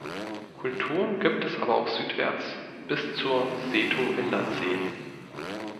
Kulturen gibt es aber auch südwärts bis zur Seto-Inlandsee.